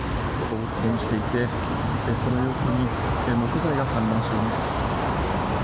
横転していて、その横に木材が散乱しています。